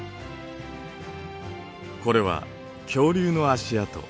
これは恐竜の足跡。